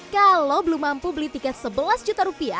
kalau belum mampu beli tiket rp sebelas